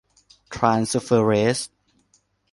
ทรานสเฟอร์เรส